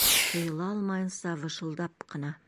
Тыйыла алмайынса, бышылдап ҡына: